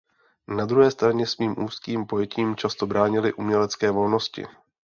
Na druhé straně svým úzkým pojetím často bránily umělecké volnosti.